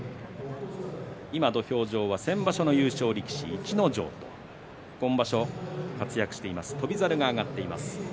今、土俵上は先場所の優勝力士逸ノ城と今場所活躍している翔猿が勝っています。